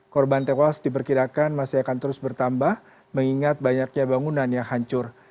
korban tewas diperkirakan masih akan terus bertambah mengingat banyaknya bangunan yang hancur